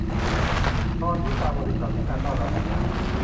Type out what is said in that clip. ตอนนี้บางบริษัทให้การต้อนรับดีมาก